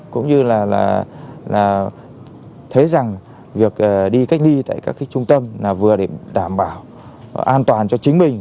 cũng như là thấy rằng việc đi cách ly tại các trung tâm là vừa để đảm bảo an toàn cho chính mình